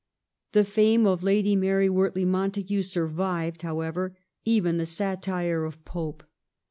The fame of Lady Mary Wortley Montagu survived, however, even the satire of Pope.